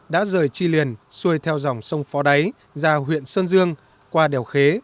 đã rời chi liền xuôi theo dòng sông phó đáy ra huyện sơn dương qua đèo khế